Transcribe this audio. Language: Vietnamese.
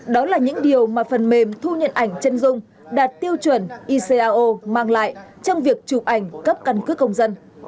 đó là những điều mà phần mềm thu nhận ảnh chân dung đạt tiêu chuẩn icao mang lại trong việc chụp ảnh cấp căn cước công dân